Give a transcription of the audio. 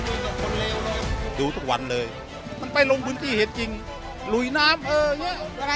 ให้คนสื่อให้คนรู้ชอบตรงนั้นแหละ